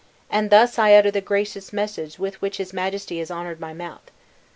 And thus I utter the gracious message with which his Majesty has honored my mouth."